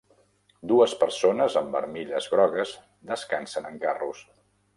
Dues persones amb armilles grogues descansen en carros.